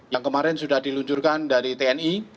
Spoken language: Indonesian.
yang kemarin sudah diluncurkan dari tni